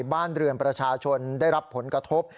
บ้านเรือนประชาชนได้รับผลกระทบ